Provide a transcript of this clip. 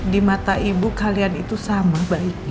di mata ibu kalian itu sama baiknya